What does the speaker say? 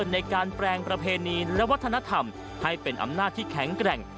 ในการแปลงประเพณีและวัฒนธรรมให้เป็นอำนาจที่แข็งแกร่ง